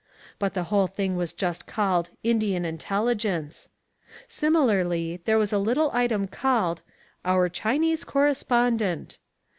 But the whole thing was just called "Indian Intelligence." Similarly, there was a little item called, "Our Chinese Correspondent."